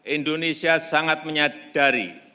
indonesia sangat menyadari